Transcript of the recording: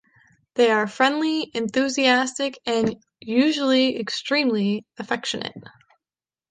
They are friendly, enthusiastic and usually extremely affectionate.